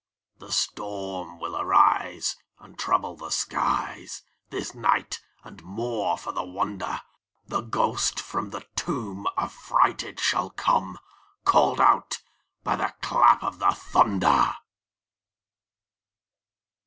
The storm will arise, And trouble the skies This night; and, more for the wonder, The ghost from the tomb Affrighted shall come, Call'd out by the clap of the thunder.